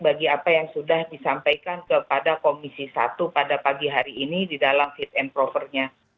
bagi apa yang sudah disampaikan kepada komisi satu pada pagi hari ini di dalam fit and propernya